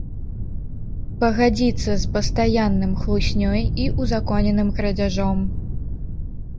Пагадзіцца з пастаянным хлуснёй і ўзаконеным крадзяжом.